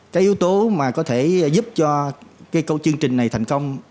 cái yếu tố mà có thể giúp cho cái câu chương trình này thành công